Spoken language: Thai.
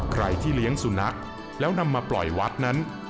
ใครที่เลี้ยงสุนัขแล้วนำมาปล่อยวัดนั้น